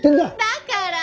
だから！